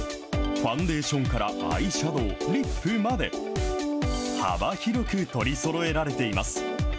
ファンデーションからアイシャドウ、リップまで、幅広く取りそろえられています。